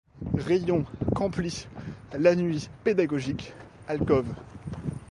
Rayons qu'emplit la nuit pédagogique, alcôves.